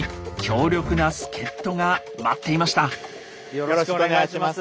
よろしくお願いします。